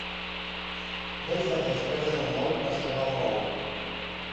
No hi fa res perdre un ou per salvar un bou.